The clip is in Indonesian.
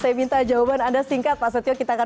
saya minta jawaban anda singkat pak setio kita akan